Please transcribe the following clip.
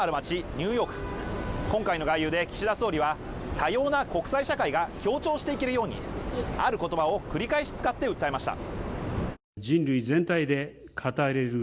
ニューヨーク今回の外遊で岸田総理は多様な国際社会が協調していけるようにある言葉を繰り返し使って訴えました